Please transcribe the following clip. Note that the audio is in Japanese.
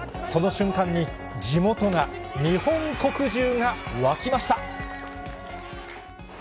その瞬間に地元が、日本国中が沸きました。